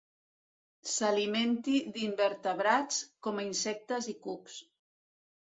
S'alimenti d'invertebrats, com a insectes i cucs.